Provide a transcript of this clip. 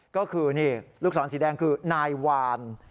ก็คือนี่ลูกศรสีแดงคือนายวาน